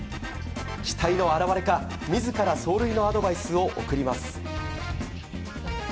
期待の表れか、自ら走塁のアドバイスを送ります。